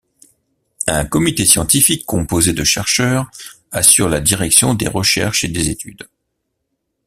Un Comité scientifique composé de chercheurs assure la direction des recherches et des études.